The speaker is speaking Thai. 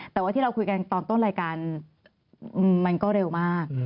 แต่ว่าที่เราคุยกันตอนต้นรายการมันก็เร็วมาก